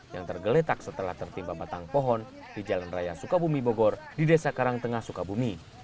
yang tergeletak setelah tertimpa batang pohon di jalan raya sukabumi bogor di desa karangtengah sukabumi